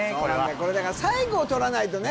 これだから最後をとらないとね